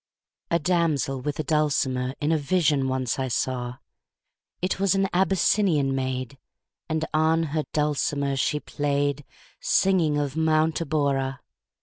A damsel with a dulcimer In a vision once I saw: It was an Abyssinian maid, And on her dulcimer she play'd, 40 Singing of Mount Abora.